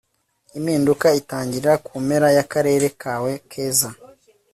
impinduka itangirira kumpera yakarere kawe keza